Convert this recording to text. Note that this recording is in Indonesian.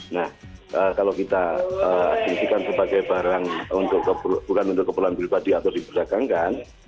nah kalau kita asumsikan sebagai barang bukan untuk keperluan pribadi atau diperdagangkan